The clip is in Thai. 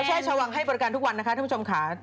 ใช่ชาววังให้บริการทุกวันนะคะท่านผู้ชมค่ะ